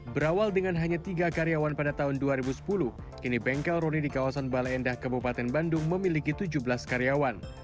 berawal dengan hanya tiga karyawan pada tahun dua ribu sepuluh kini bengkel roni di kawasan bale endah kabupaten bandung memiliki tujuh belas karyawan